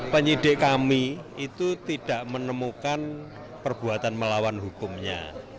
penyidik kami itu tidak menemukan perbuatan melawan hukumnya